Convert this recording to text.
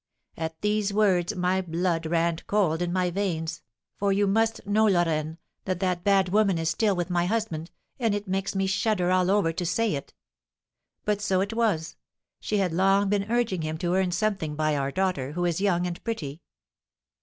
At these words my blood ran cold in my veins; for you must know, Lorraine, that that bad woman is still with my husband, and it makes me shudder all over to say it. But so it was; she had long been urging him to earn something by our daughter, who is young and pretty.